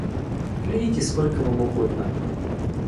Клянитесь, сколько вам угодно!